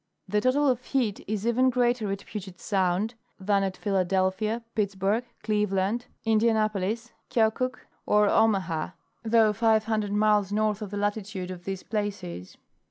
The total of heat is even greater at Puget sound than at Philadelphia, Pittsburg, Cleveland, Indianapolis, Keokuk, or Omaha, though five hundred miles north of the latitude of these places.